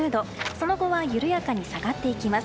その後は緩やかに下がっていきます。